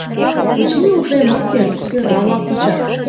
Очыни, утлен ок керт: тӧра-влак кучат!..